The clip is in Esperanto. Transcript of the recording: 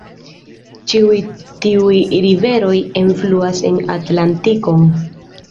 Ĉiuj tiuj riveroj enfluas en Atlantikon.